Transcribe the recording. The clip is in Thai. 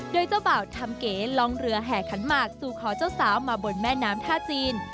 โดยเจ้าบ่าวทำเก๋ลองเรือแห่ขันหมากสู่ขอเจ้าสาวมาบนแม่น้ำท่าจีน